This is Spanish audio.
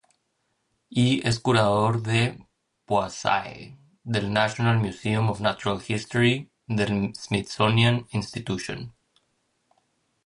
Y, es curador de Poaceae del "National Museum of Natural History" del Smithsonian Institution.